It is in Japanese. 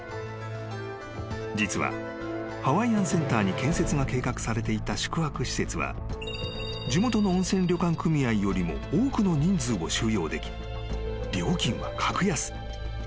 ［実はハワイアンセンターに建設が計画されていた宿泊施設は地元の温泉旅館組合よりも多くの人数を収容でき料金は格安］